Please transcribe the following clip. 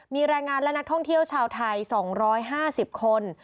มีแรงงานและนักท่องเที่ยวชาวไทย๒๕๐คน